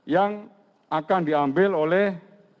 yang akan diambil oleh